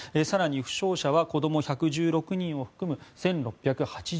更に負傷者は子供１１６人を含む１６８４人。